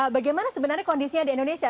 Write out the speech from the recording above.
bagaimana sebenarnya kondisinya di indonesia